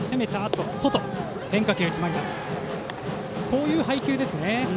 こういう配球ですね。